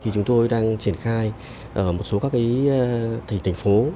chúng tôi đang triển khai ở một số các thành phố